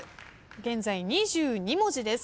現在２２文字です。